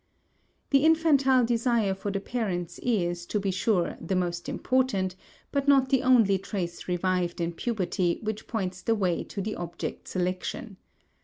The infantile desire for the parents is, to be sure, the most important, but not the only trace revived in puberty which points the way to the object selection.